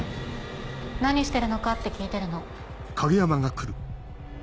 何してるのかって聞いてるの。